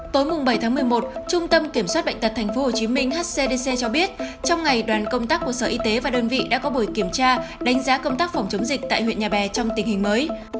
tối bảy tháng một mươi một trung tâm kiểm soát bệnh tật tp hcm hcdc cho biết trong ngày đoàn công tác của sở y tế và đơn vị đã có buổi kiểm tra đánh giá công tác phòng chống dịch tại huyện nhà bè trong tình hình mới